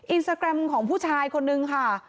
อินสตาแกรมของผู้ชายคนนึงค่ะ